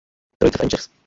Trojice v Angers.